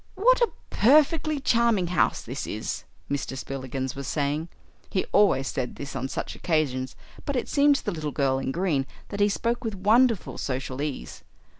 "What a perfectly charming house this is," Mr. Spillikins was saying. He always said this on such occasions, but it seemed to the Little Girl in Green that he spoke with wonderful social ease.